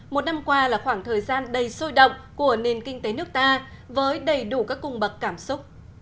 một năm qua là khoảng thời gian đầy sôi động của nền kinh tế nước ta với đầy đủ các cung bậc cảm xúc